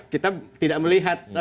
kita tidak melihat